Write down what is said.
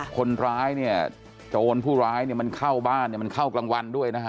คนร้ายเนี่ยโจรผู้ร้ายเนี่ยมันเข้าบ้านเนี่ยมันเข้ากลางวันด้วยนะฮะ